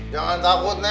jangan takut nek